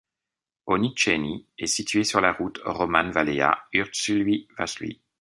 Oniceni est située sur la route Roman-Valea Ursului-Vaslui.